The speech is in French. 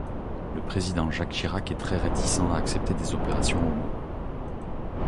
Le président Jacques Chirac est très réticent à accepter des opérations Homo.